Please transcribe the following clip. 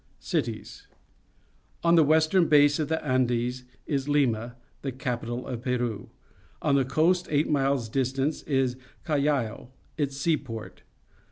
Cities. — At the western base of the Andes is Lima, the capital of Peru. On the coast, eight miles distant, is Callao, its seaport.